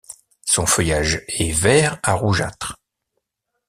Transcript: Son feuillage est vert à rougeâtre.